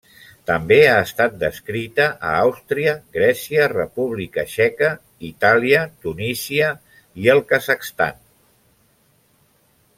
També ha estat descrita a Àustria, Grècia, República Txeca, Itàlia, Tunísia i el Kazakhstan.